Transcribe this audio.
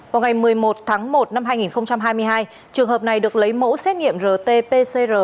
vào ngày một mươi một tháng một năm hai nghìn hai mươi hai trường hợp này được lấy mẫu xét nghiệm rt pcr